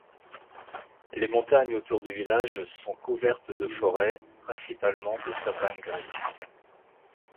Les montagnes autour du village sont couvertes de forêts, principalement de sapins grecs.